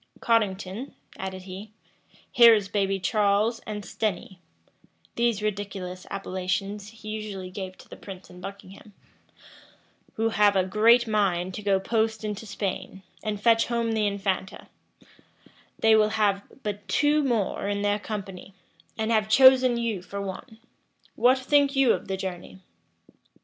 "Cottington," added he, "here is baby Charles and Stenny," (these ridiculous appellations he usually gave to the prince and Buckingham,) "who have a great mind to go post into Spain, and fetch home the infanta: they will have but two more in their company, and have chosen you for one. What think you of the journey?"